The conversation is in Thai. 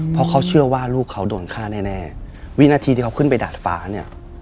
เพราะเขาเชื่อว่าลูกเขาโดนฆ่าแน่วินาทีที่เขาขึ้นไปดาดฟ้าเนี่ย